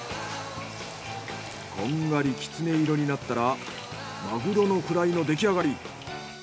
こんがりキツネ色になったらマグロのフライのできあがり。